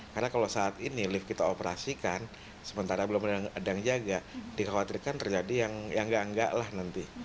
karena kalau saat ini lift kita operasikan sementara belum ada yang jaga dikhawatirkan terjadi yang nggak nggak lah nanti